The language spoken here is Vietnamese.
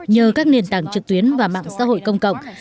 nhờ các nền tảng trực tuyến và mạng xã hội công cộng